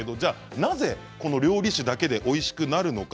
なぜ料理酒だけでおいしくなるのか。